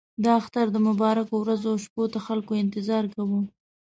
د اختر د مبارکو ورځو او شپو ته خلکو انتظار کاوه.